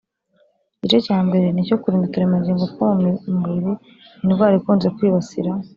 Igice cya mbere ni icyo kurinda uturemangingo two mu mubiri iyi ndwara ikunze kwibasira